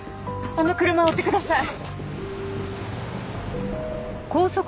あの車を追ってください。